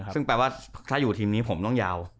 ซึ่งแปลว่าถ้าอยู่ทีมนี้ผมต้องยาว